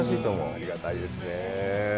ありがたいですね。